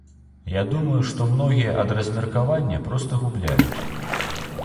Я думаю, што многія ад размеркавання проста губляюць.